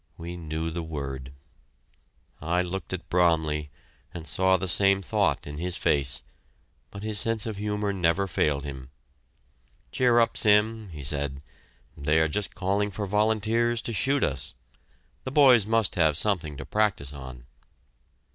We knew the word. I looked at Bromley, and saw the same thought in his face, but his sense of humor never failed him. "Cheer up, Sim!" he said. "They are just calling for volunteers to shoot us. The boys must have something to practise on."